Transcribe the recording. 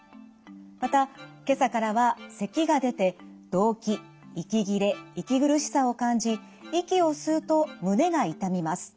また今朝からはせきが出てどうき息切れ息苦しさを感じ息を吸うと胸が痛みます。